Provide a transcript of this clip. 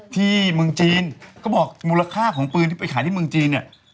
ที่เมืองจีนก็บอกมูลค่าของปืนที่ไปขายที่เมืองจีนเนี่ย